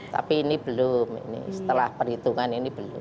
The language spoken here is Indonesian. tapi ini belum ini setelah perhitungan ini belum